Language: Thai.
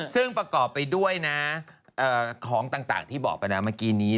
ซึ่งประกอบไปด้วยนะของต่างที่บอกไปนะเมื่อกี้นี้